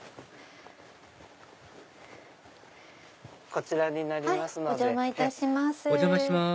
こちらになります。